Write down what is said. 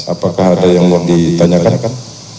apakah ada yang mau ditanyakan kan